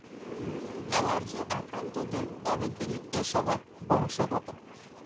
Allergy আক্রান্তদের অনেকেরই এ স্বভাব বংশগত।